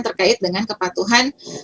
terkait dengan kepatuhan